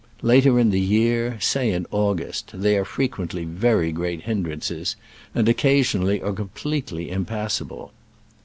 Later in the year, say in August, they are frequently very great hindrances, and occasionally are com pletely impassable.